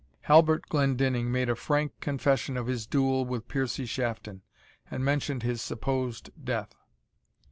Halbert Glendinning made a frank confession of his duel with Piercie Shafton, and mentioned his supposed death.